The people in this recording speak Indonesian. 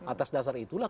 atas dasar itulah